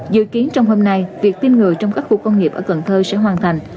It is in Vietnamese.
dự kiến trong hôm nay việc tiêm ngừa trong các khu công nghiệp ở cần thơ sẽ hoàn thành